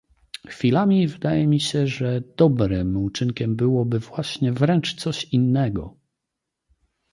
"Chwilami wydaje mi się, że »dobrym« uczynkiem byłoby właśnie wręcz coś innego."